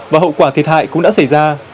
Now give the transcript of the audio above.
và hậu quả thiệt hại cũng đã xảy ra